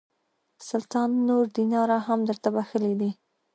سلطان نور دیناره هم درته بخښلي دي.